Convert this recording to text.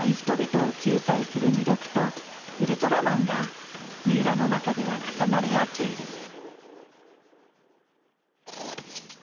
人々を救済する弥勒とウルトラマンがみうらの中では重なり合っている。